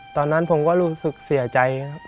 ตอนนั้นผมก็รู้สึกเสียใจครับ